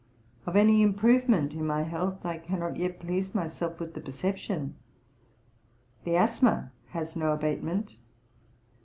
Of any improvement in my health I cannot yet please myself with the perception. The asthma has no abatement.